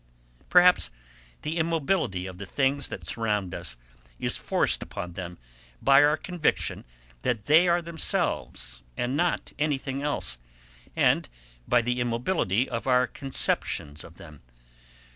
Perhaps the immobility of the things that surround us is forced upon them by our conviction that they are themselves, and not anything else, and by the immobility of our conceptions of them.